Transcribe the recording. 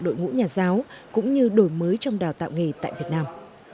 đội ngũ nhà giáo cũng như đổi mới trong đào tạo nghề tại việt nam